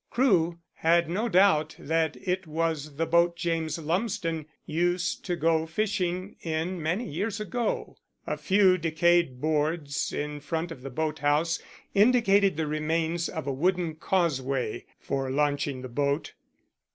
Crewe had no doubt that it was the boat James Lumsden used to go fishing in many years ago. A few decayed boards in front of the boat house indicated the remains of a wooden causeway for launching the boat.